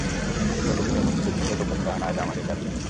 গতদিনের মুক্তিযোদ্ধাদের গোপন গান আজ আমাদের জাতীয় সংগীত।